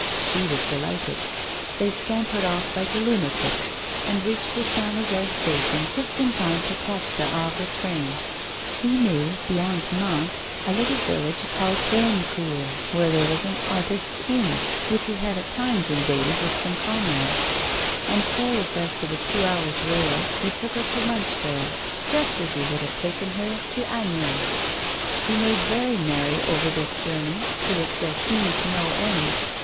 She was delighted; they scampered off like lunatics, and reached the St. Lazare Station just in time to catch the Havre train. He knew, beyond Mantes, a little village called Bennecourt, where there was an artists' inn which he had at times invaded with some comrades; and careless as to the two hours' rail, he took her to lunch there, just as he would have taken her to Asnières. She made very merry over this journey, to which there seemed no end.